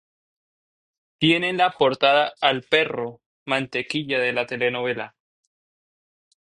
Tiene en la portada al perro "Mantequilla" de la telenovela.